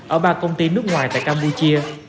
ở ba công ty nước ngoài tại campuchia